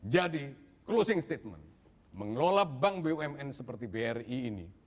jadi closing statement mengelola bank bumn seperti bri ini